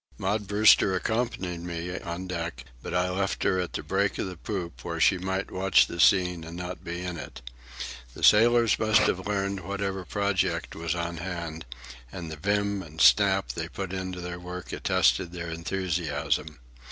Maud Brewster accompanied me on deck, but I left her at the break of the poop, where she might watch the scene and not be in it. The sailors must have learned whatever project was on hand, and the vim and snap they put into their work attested their enthusiasm.